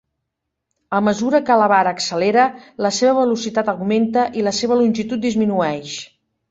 A mesura que la vara accelera, la seva velocitat augmenta i la seva longitud disminueix.